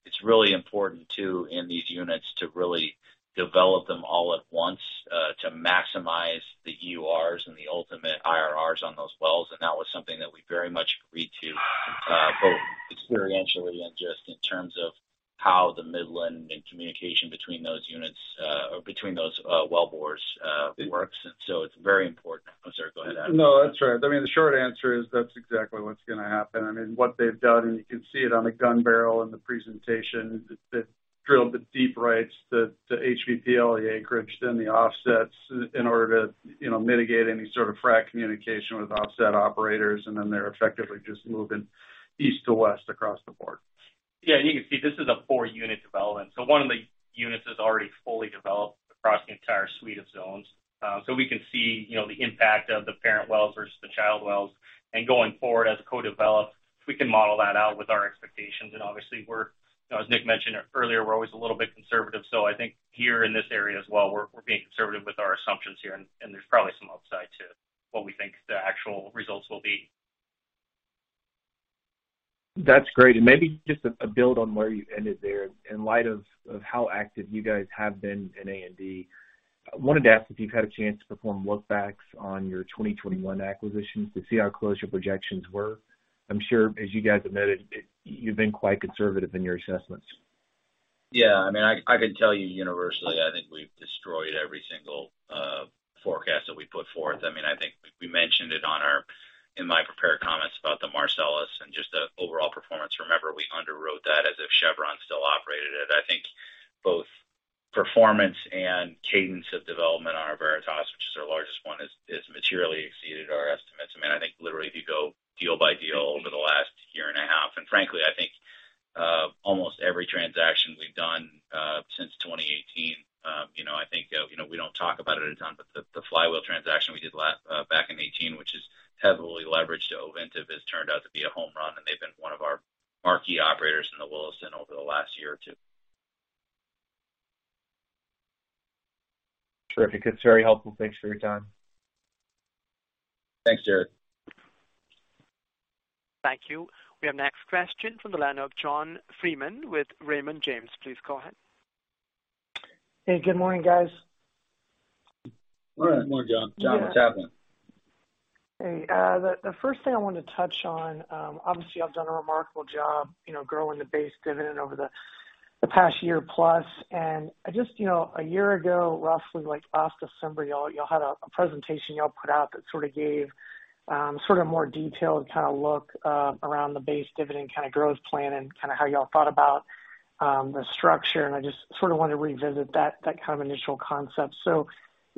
it's really important, too, in these units to really develop them all at once, to maximize the EURs and the ultimate IRRs on those wells, and that was something that we very much agreed to, both experientially and just in terms of how the Midland Basin and communication between those units, or between those wellbores, works. It's very important. I'm sorry. Go ahead, Adam. No, that's all right. I mean, the short answer is that's exactly what's gonna happen. I mean, what they've done, and you can see it on the gun barrel in the presentation, is they've drilled the deep rights to HBP acreage, then the offsets in order to, you know, mitigate any sort of frack communication with offset operators, and then they're effectively just moving east to west across the board. Yeah. You can see this is a four unit development. One of the units is already fully developed across the entire suite of zones. We can see, you know, the impact of the parent wells versus the child wells. Going forward as a co-develop, we can model that out with our expectations. Obviously we're, you know, as Nick mentioned earlier, we're always a little bit conservative. I think here in this area as well, we're being conservative with our assumptions here, and there's probably some upside to what we think the actual results will be. That's great. Maybe just a build on where you ended there. In light of how active you guys have been in A&D, I wanted to ask if you've had a chance to perform look-backs on your 2021 acquisitions to see how close your projections were. I'm sure, as you guys admitted, you've been quite conservative in your assessments. Yeah. I mean, I can tell you universally, I think we've destroyed every single forecast that we put forth. I mean, I think we mentioned it in my prepared comments about the Marcellus and just the overall performance. Remember, we underwrote that as if Chevron still operated it. I think both performance and cadence of development on our Veritas, which is our largest one, has materially exceeded our estimates. I mean, I think literally if you go deal by deal over the last year and a half, and frankly, I think almost every transaction we've done since 2018, you know, I think you know, we don't talk about it a ton, but the Flywheel transaction we did last back in 2018, which is heavily leveraged to Ovintiv, has turned out to be a home run, and they've been one of our marquee operators in the Williston over the last year or two. Terrific. It's very helpful. Thanks for your time. Thanks, Derrick. Thank you. We have next question from the line of John Freeman with Raymond James. Please go ahead. Hey, good morning, guys. Good morning, John. John, what's happening? Hey. The first thing I wanted to touch on, obviously y'all done a remarkable job, you know, growing the base dividend over the past year plus. I just, you know, a year ago, roughly, like last December, y'all had a presentation y'all put out that sort of gave sort of a more detailed kinda look around the base dividend kinda growth plan and kinda how y'all thought about the structure. I just sort of wanted to revisit that kind of initial concept. You know,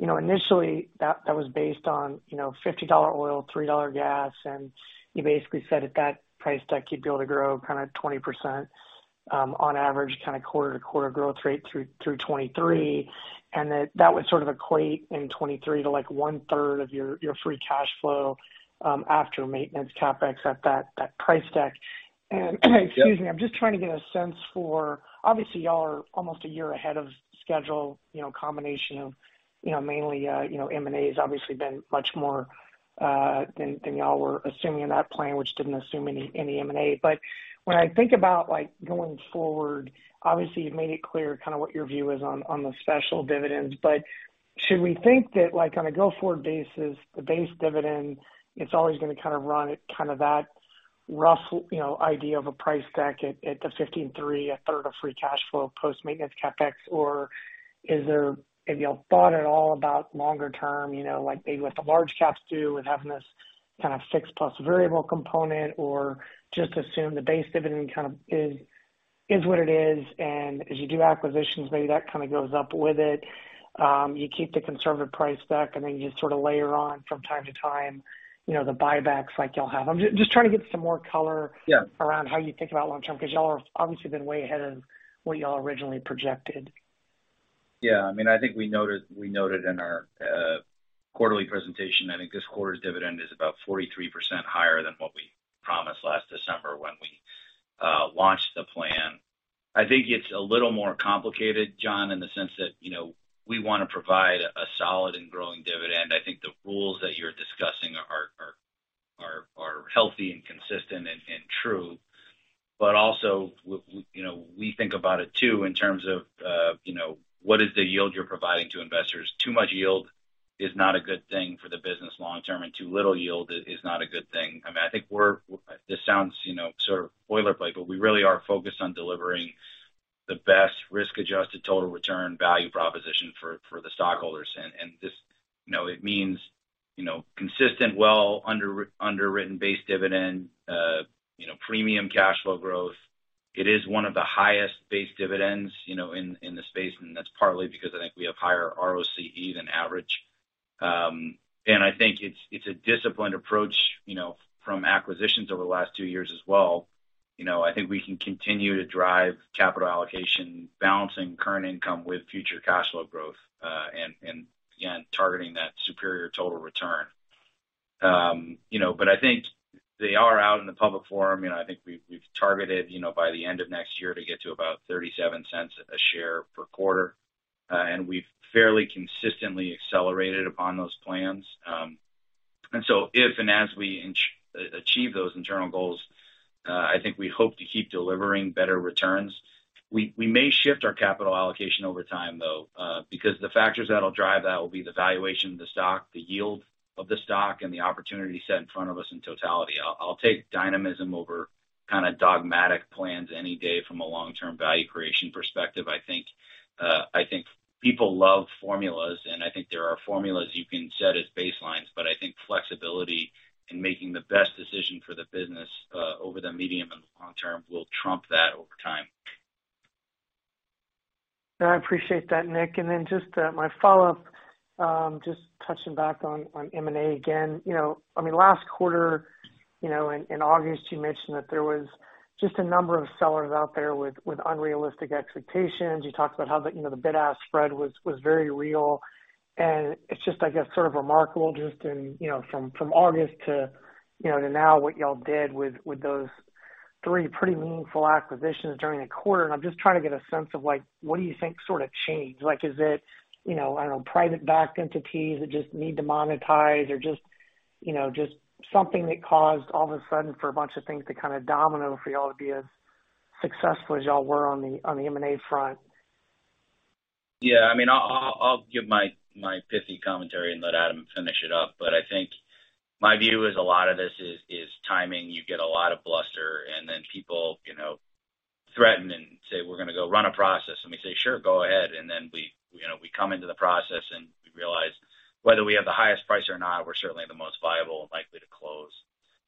initially that was based on, you know, $50 oil, $3 gas, and you basically said at that price deck you'd be able to grow kinda 20% on average kinda quarter to quarter growth rate through 2023. That would sort of equate in 2023 to, like, one-third of your free cash flow after maintenance CapEx at that price deck. Excuse me. Yep. I'm just trying to get a sense for. Obviously, y'all are almost a year ahead of schedule, you know, combination of, you know, mainly, M&A's obviously been much more than y'all were assuming in that plan, which didn't assume any M&A. When I think about, like, going forward, obviously you've made it clear kinda what your view is on the special dividends. Should we think that, like, on a go-forward basis, the base dividend, it's always gonna kinda run at kind of that rough, you know, idea of a price deck at $53, a third of free cash flow post-maintenance CapEx? Or have y'all thought at all about longer term, you know, like maybe what the large caps do with having this kind of fixed plus variable component? Just assume the base dividend kind of is what it is, and as you do acquisitions, maybe that kinda goes up with it. You keep the conservative price deck, and then you sort of layer on from time to time, you know, the buybacks like y'all have. I'm just trying to get some more color. Yeah. Around how you think about long term, 'cause y'all have obviously been way ahead of what y'all originally projected. Yeah. I mean, I think we noted in our quarterly presentation. I think this quarter's dividend is about 43% higher than what we promised last December when we launched the plan. I think it's a little more complicated, John, in the sense that, you know, we wanna provide a solid and growing dividend. I think the rules that you're discussing are healthy and consistent and true. Also, you know, we think about it too in terms of, you know, what is the yield you're providing to investors. Too much yield is not a good thing for the business long term, and too little yield is not a good thing. I mean, I think this sounds, you know, sort of boilerplate, but we really are focused on delivering the best risk-adjusted total return value proposition for the stockholders. This means, you know, consistent, well underwritten base dividend, you know, premium cash flow growth. It is one of the highest base dividends, you know, in the space, and that's partly because I think we have higher ROCE than average. I think it's a disciplined approach, you know, from acquisitions over the last two years as well. You know, I think we can continue to drive capital allocation, balancing current income with future cash flow growth, and again, targeting that superior total return. You know, but I think they are out in the public forum. You know, I think we've targeted, you know, by the end of next year to get to about $0.37 a share per quarter. We've fairly consistently accelerated upon those plans. If and as we achieve those internal goals, I think we hope to keep delivering better returns. We may shift our capital allocation over time, though, because the factors that'll drive that will be the valuation of the stock, the yield of the stock, and the opportunity set in front of us in totality. I'll take dynamism over kind of dogmatic plans any day from a long-term value creation perspective. I think, I think people love formulas, and I think there are formulas you can set as baselines, but I think flexibility in making the best decision for the business, over the medium and the long term will trump that over time. No, I appreciate that, Nick. Just my follow-up just touching back on M&A again. You know, I mean, last quarter, you know, in August, you mentioned that there was just a number of sellers out there with unrealistic expectations. You talked about how the you know the bid-ask spread was very real. It's just, I guess, sort of remarkable just in you know from August to you know to now what y'all did with those three pretty meaningful acquisitions during the quarter. I'm just trying to get a sense of like, what do you think sort of changed? Like, is it, you know, I don't know, private backed entities that just need to monetize or just, you know, just something that caused all of a sudden for a bunch of things to kind of domino for y'all to be as successful as y'all were on the M&A front? Yeah. I mean, I'll give my pithy commentary and let Adam finish it up. I think my view is a lot of this is timing. You get a lot of bluster and then people, you know, threaten and say, "We're gonna go run a process." And we say, "Sure, go ahead." And then we, you know, we come into the process and we realize whether we have the highest price or not, we're certainly the most viable and likely to close.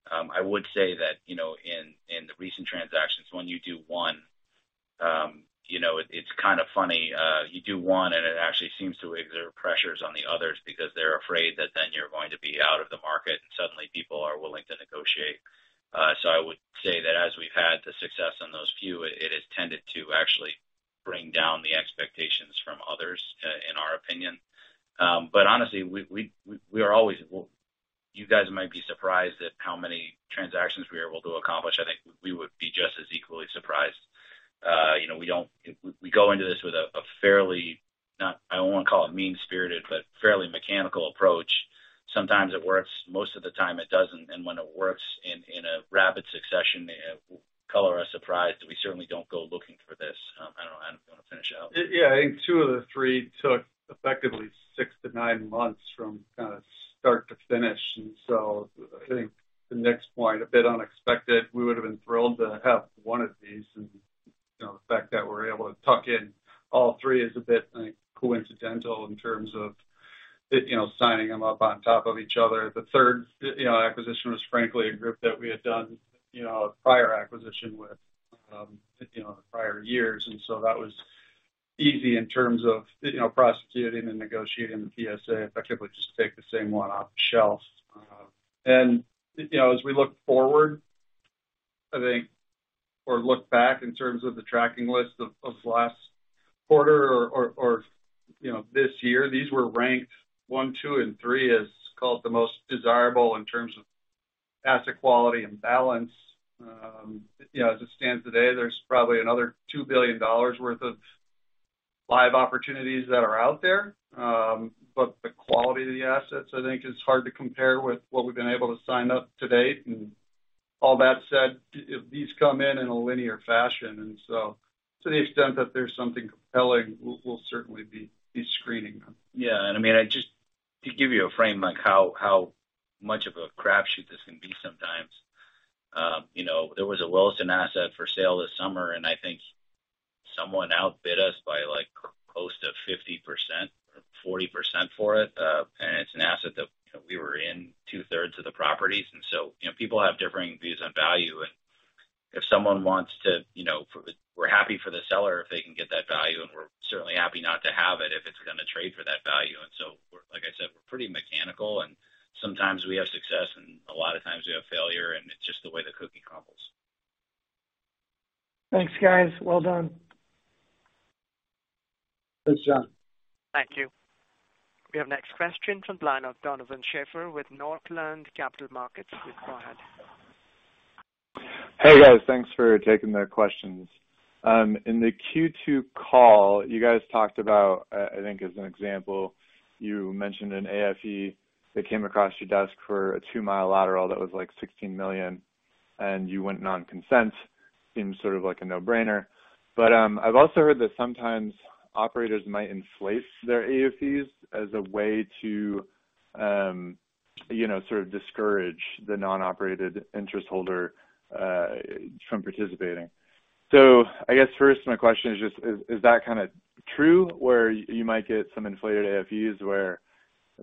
I would say that, you know, in the recent transactions, when you do one, you know, it's kind of funny. You do one, and it actually seems to exert pressures on the others because they're afraid that then you're going to be out of the market, and suddenly people are willing to negotiate. I would say that as we've had the success on those few, it has tended to actually bring down the expectations from others, in our opinion. Honestly, well, you guys might be surprised at how many transactions we are able to accomplish. I think we would be just as equally surprised. You know, we go into this with a fairly not I don't wanna call it mean-spirited, but fairly mechanical approach. Sometimes it works. Most of the time it doesn't. When it works in a rapid succession, color us surprised. We certainly don't go looking for this. I don't know, Adam, do you wanna finish out? Yeah. I think two of the three took effectively six to nine months from kind of start to finish. I think to Nick's point, a bit unexpected. We would've been thrilled to have one of these. You know, the fact that we're able to tuck in all three is a bit, I think, coincidental in terms of, you know, signing them up on top of each other. The third, you know, acquisition was frankly a group that we had done, you know, a prior acquisition with, you know, in prior years, and so that was easy in terms of, you know, prosecuting and negotiating the PSA, effectively just take the same one off the shelf. You know, as we look forward, I think, or look back in terms of the tracking list of last quarter or this year, these were ranked one, two, and three as called the most desirable in terms of asset quality and balance. You know, as it stands today, there's probably another $2 billion worth of live opportunities that are out there. The quality of the assets, I think, is hard to compare with what we've been able to sign up to date. All that said, if these come in in a linear fashion, to the extent that there's something compelling, we'll certainly be screening them. Yeah. I mean, to give you a frame, like how much of a crapshoot this can be sometimes. You know, there was a Williston asset for sale this summer, and I think someone outbid us by like close to 50% or 40% for it. It's an asset that, you know, we were in 2/3 of the properties. People have differing views on value. If someone wants to, you know, we're happy for the seller if they can get that value, and we're certainly happy not to have it if it's gonna trade for that value. Like I said, we're pretty mechanical and sometimes we have success and a lot of times we have failure, and it's just the way the cookie crumbles. Thanks, guys. Well done. Thanks, John. Thank you. We have next question from line of Donovan Schafer with Northland Capital Markets. Please go ahead. Hey, guys. Thanks for taking the questions. In the Q2 call, you guys talked about, I think as an example, you mentioned an AFE that came across your desk for a 2 mi lateral that was like $16 million, and you went non-consent. Seemed sort of like a no-brainer. I've also heard that sometimes operators might inflate their AFEs as a way to, you know, sort of discourage the non-operated interest holder from participating. I guess first, my question is just, is that kinda true, where you might get some inflated AFEs where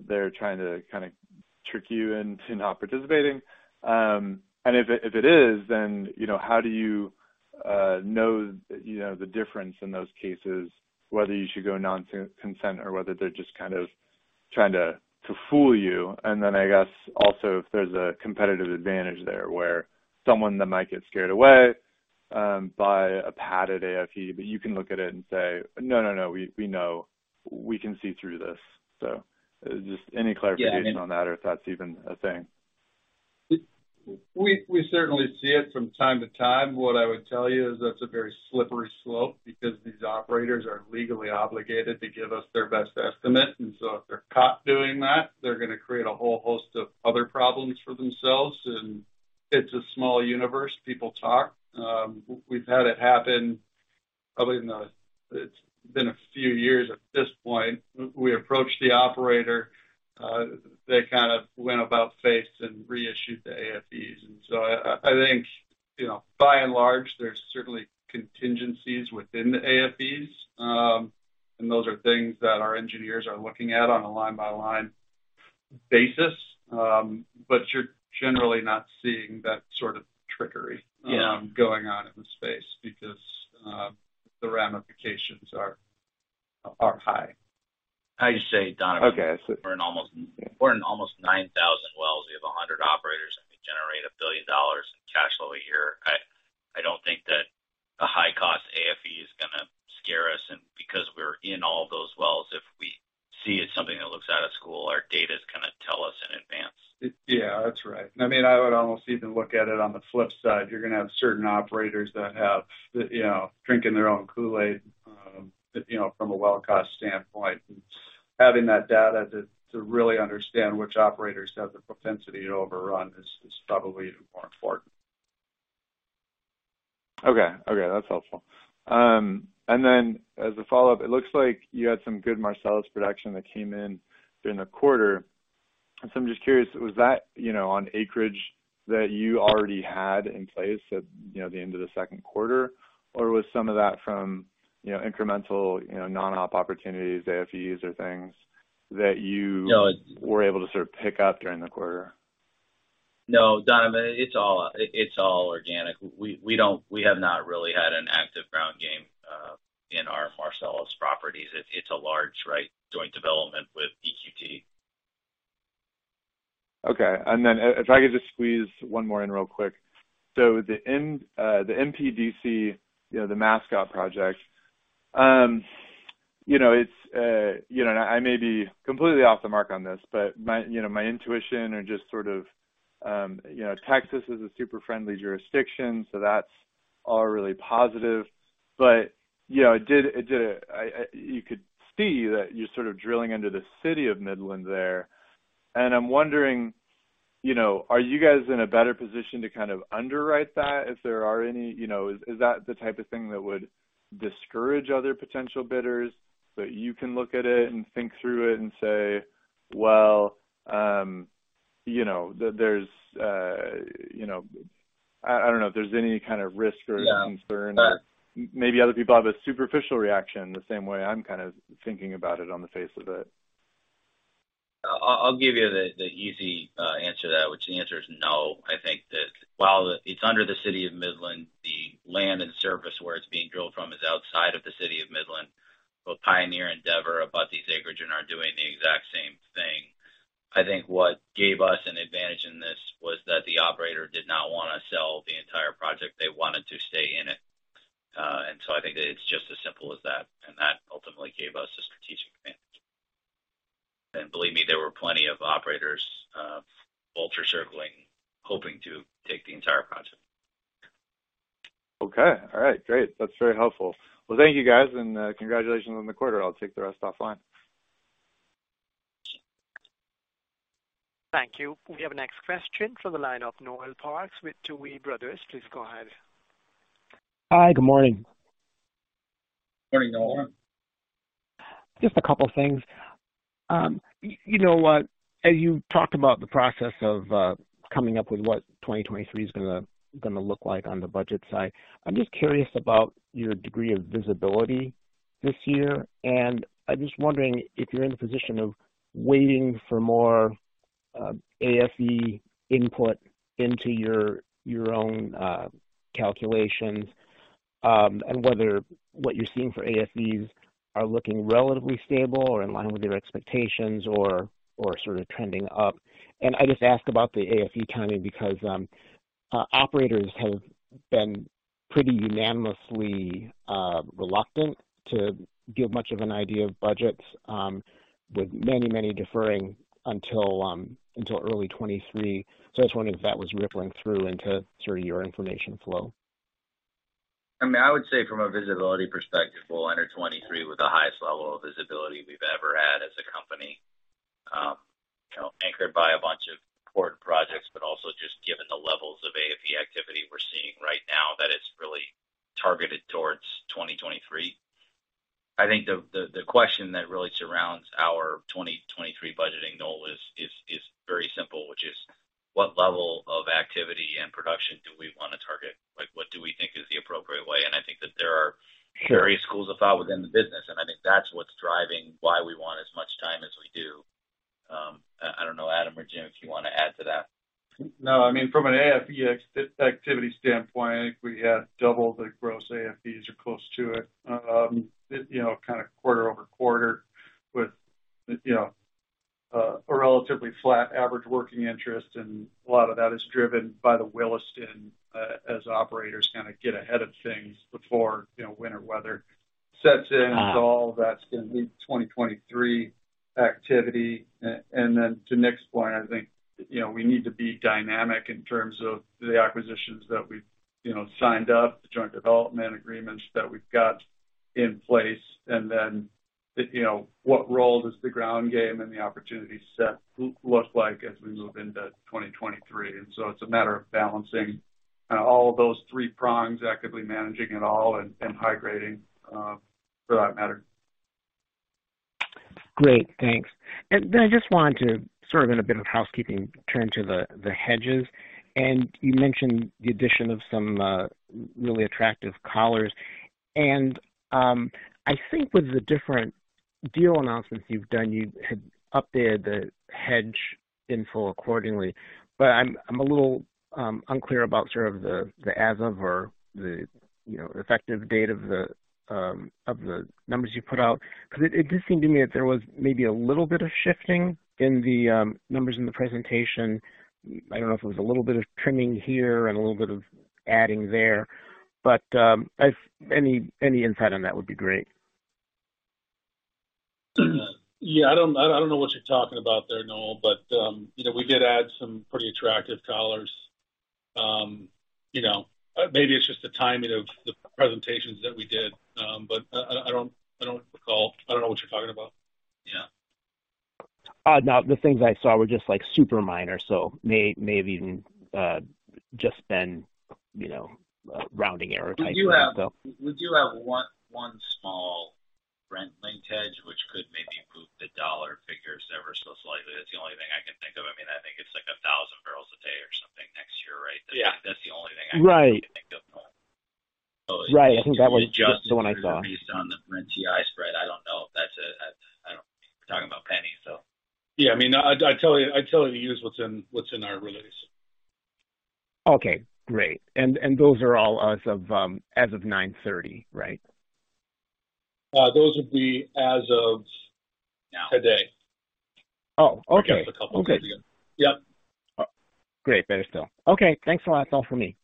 they're trying to kinda trick you into not participating? And if it is, then, you know, how do you know, you know, the difference in those cases whether you should go non-consent or whether they're just kind of trying to fool you? I guess also if there's a competitive advantage there, where someone that might get scared away by a padded AFE, but you can look at it and say, "No, no, we know. We can see through this." Just any clarification on that or if that's even a thing. We certainly see it from time to time. What I would tell you is that's a very slippery slope because these operators are legally obligated to give us their best estimate. If they're caught doing that, they're gonna create a whole host of other problems for themselves. It's a small universe, people talk. We've had it happen. It's been a few years at this point. We approached the operator, they kind of went about face and reissued the AFEs. I think, you know, by and large, there's certainly contingencies within the AFEs, and those are things that our engineers are looking at on a line-by-line basis. But you're generally not seeing that sort of trickery going on in the space because the ramifications are high. I just say, Donovan. Okay. We're in almost 9,000 wells. We have 100 operators, and we generate $1 billion in cash flow a year. I don't think that a high cost AFE is gonna scare us. Because we're in all those wells, if we see something that looks out of school, our data's gonna tell us in advance. Yeah, that's right. I mean, I would almost even look at it on the flip side. You're gonna have certain operators that have, you know, drinking their own Kool-Aid, you know, from a well cost standpoint. Having that data to really understand which operators have the propensity to overrun is probably even more important. Okay, that's helpful. As a follow-up, it looks like you had some good Marcellus production that came in during the quarter. I'm just curious, was that, you know, on acreage that you already had in place at, you know, the end of the second quarter? Or was some of that from, you know, incremental, you know, non-op opportunities, AFEs or things that you? No. Were able to sort of pick up during the quarter? No, Donovan, it's all organic. We have not really had an active ground game in our Marcellus properties. It's a large, right, joint development with EQT. Okay. If I could just squeeze one more in real quick. The MPDC, you know, the Mascot project, you know, it's, you know, and I may be completely off the mark on this, but my, you know, my intuition or just sort of, you know, Texas is a super friendly jurisdiction, so that's all really positive. Yeah, it did. You could see that you're sort of drilling under the city of Midland there. I'm wondering, you know, are you guys in a better position to kind of underwrite that if there are any, you know? Is that the type of thing that would discourage other potential bidders? You can look at it and think through it and say, "Well, you know, there's you know." I don't know if there's any kind of risk or concern or maybe other people have a superficial reaction, the same way I'm kind of thinking about it on the face of it. I'll give you the easy answer to that, which the answer is no. I think that while it's under the city of Midland, the land and surface where it's being drilled from is outside of the city of Midland. Both Pioneer and Devon are buying acreage and are doing the exact same thing. I think what gave us an advantage in this was that the operator did not wanna sell the entire project. They wanted to stay in it. I think that it's just as simple as that, and that ultimately gave us a strategic advantage. Believe me, there were plenty of operators, vultures circling, hoping to take the entire project. Okay. All right. Great. That's very helpful. Well, thank you, guys, and congratulations on the quarter. I'll take the rest offline. Thank you. We have our next question from the line of Noel Parks with Tuohy Brothers. Please go ahead. Hi. Good morning. Morning, Noel. Just a couple of things. You know what? As you talked about the process of coming up with what 2023 is gonna look like on the budget side, I'm just curious about your degree of visibility this year. I'm just wondering if you're in a position of waiting for more AFE input into your own calculations, and whether what you're seeing for AFEs are looking relatively stable or in line with your expectations or sort of trending up. I just ask about the AFE timing because operators have been pretty unanimously reluctant to give much of an idea of budgets, with many deferring until early 2023. I was wondering if that was rippling through into sort of your information flow. I mean, I would say from a visibility perspective, we'll enter 2023 with the highest level of visibility we've ever had as a company, you know, anchored by a bunch of important projects, but also just given the levels of AFE activity we're seeing right now that it's really targeted towards 2023. I think the question that really surrounds our 2023 budgeting goal is very simple, which is what level of activity and production do we wanna target? Like, what do we think is the appropriate way? I think that there are various schools of thought within the business, and I think that's what's driving why we want as much time as we do. I don't know, Adam or Jim, if you wanna add to that. No. I mean, from an AFE activity standpoint, I think we had double the gross AFEs or close to it, you know, kind of quarter-over-quarter with, you know, a relatively flat average working interest, and a lot of that is driven by the Williston, as operators kinda get ahead of things before, you know, winter weather sets in. All of that's gonna be 2023 activity. Then to Nick's point, I think, you know, we need to be dynamic in terms of the acquisitions that we've, you know, signed up, the joint development agreements that we've got in place. Then, you know, what role does the ground game and the opportunity set look like as we move into 2023? It's a matter of balancing all of those three prongs, actively managing it all and hydrating for that matter. Great. Thanks. I just wanted to sort of in a bit of housekeeping turn to the hedges. You mentioned the addition of some really attractive collars. I think with the different deal announcements you've done, you had updated the hedge info accordingly. I'm a little unclear about sort of the as of or the, you know, effective date of the numbers you put out. 'Cause it did seem to me that there was maybe a little bit of shifting in the numbers in the presentation. I don't know if it was a little bit of trimming here and a little bit of adding there, but if any insight on that would be great. Yeah. I don't know what you're talking about there, Noel, but you know, we did add some pretty attractive collars. You know, maybe it's just the timing of the presentations that we did. But I don't recall. I don't know what you're talking about. Yeah. No, the things I saw were just, like, super minor, so may have even just been, you know, rounding error type thing. We do have one small Brent linked hedge, which could maybe move the dollar figures ever so slightly. That's the only thing I can think of. I mean, I think it's like 1,000 barrels a day or something next year, right? Yeah. That's the only thing I can think of, Noel. Right. I think that was just the one I saw. Based on the Brent WTI spread. I don't know. We're talking about pennies, so. Yeah. I mean, I'd tell you to use what's in our release. Okay, great. Those are all as of 9:30 A.M., right? Those would be as of today. Oh, okay. Just a couple of days ago. Yep. Great. Better still. Okay, thanks a lot. That's all for me.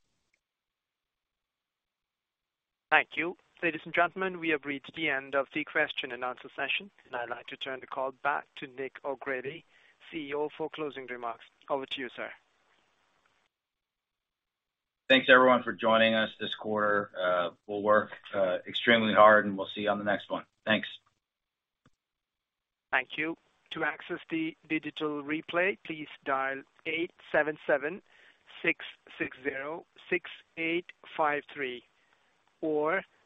Thank you. Ladies and gentlemen, we have reached the end of the question-and-answer session, and I'd like to turn the call back to Nicholas O'Grady, CEO, for closing remarks. Over to you, sir. Thanks everyone for joining us this quarter. We'll work extremely hard, and we'll see you on the next one. Thanks. Thank you. To access the digital replay, please dial 877-660-6853 or-